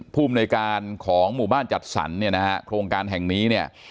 ภูมิในการของหมู่บ้านจัดสรรเนี่ยนะฮะโครงการแห่งนี้เนี่ย